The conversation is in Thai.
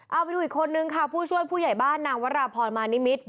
เอาไปดูอีกคนนึงค่ะผู้ช่วยผู้ใหญ่บ้านนางวราพรมานิมิตร